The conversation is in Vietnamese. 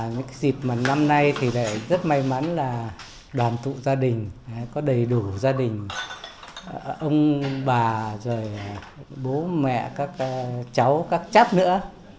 những dịp mà năm nay thì lại rất may mắn là đoàn tụ gia đình có đầy đủ gia đình ông bà rồi bố mẹ các cháu các chấp nữa